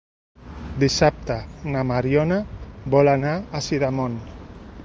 Dissabte na Mariona vol anar a Sidamon.